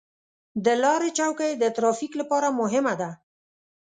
د لارې چوکۍ د ترافیک لپاره مهمه ده.